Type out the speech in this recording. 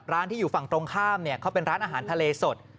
ที่อยู่ฝั่งตรงข้ามเขาเป็นร้านอาหารทะเลสด